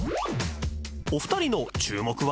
お二人の注目は？